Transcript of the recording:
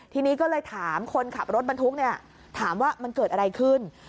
ทีนี้ก็เลยถามคนขับรถบรรทุกเนี่ยถามว่ามันเกิดอะไรขึ้น